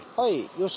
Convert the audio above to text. よし。